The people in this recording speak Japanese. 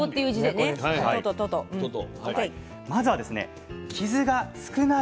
まずはですね傷が少ない